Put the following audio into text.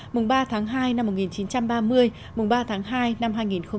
mùng ba tháng hai năm một nghìn chín trăm ba mươi mùng ba tháng hai năm hai nghìn hai mươi